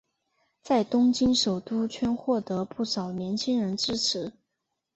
在东京首都圈获得不少年轻人支持。